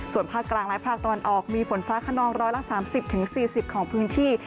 ส่วนภาคกลางและภาคตะวันออกมีฝนฟ้าขนอง๑๓๐๔๐ของพื้นที่